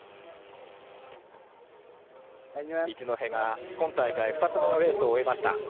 一戸が今大会２つ目のレースを終えました。